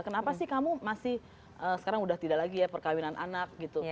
kenapa sih kamu masih sekarang udah tidak lagi ya perkawinan anak gitu